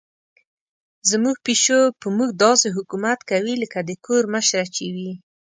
زموږ پیشو په موږ داسې حکومت کوي لکه د کور مشره چې وي.